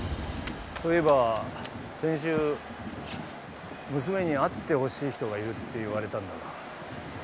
そういえば先週娘に「会ってほしい人がいる」って言われたんだが。